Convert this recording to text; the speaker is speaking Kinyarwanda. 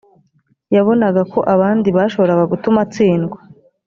yabonaga ko abandi bashoboraga gutuma atsindwa